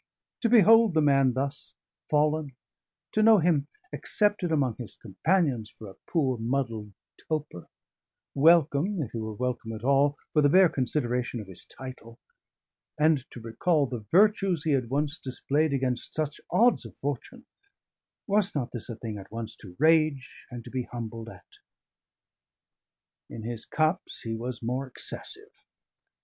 To behold the man thus fallen: to know him accepted among his companions for a poor, muddled toper, welcome (if he were welcome at all) for the bare consideration of his title; and to recall the virtues he had once displayed against such odds of fortune; was not this a thing at once to rage and to be humbled at? In his cups, he was more excessive.